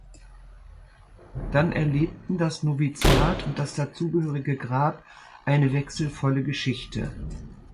Dann erlebten das Noviziat und das dazugehörige Grab eine wechselvolle Geschichte.